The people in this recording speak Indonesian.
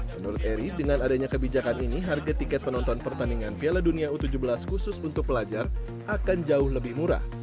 menurut eri dengan adanya kebijakan ini harga tiket penonton pertandingan piala dunia u tujuh belas khusus untuk pelajar akan jauh lebih murah